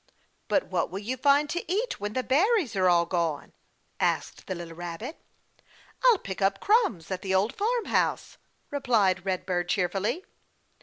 "But what will you find to eat when the berries are all gone?" asked the little rabbit. "I'll pick up crumbs at the Old Farm House," replied Red Bird cheerfully.